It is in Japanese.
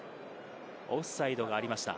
オフサイドがありました。